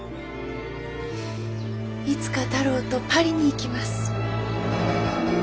いつか太郎とパリに行きます。